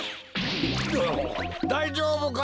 おおだいじょうぶか？